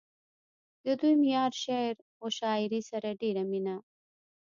دوي معياري شعر و شاعرۍ سره ډېره مينه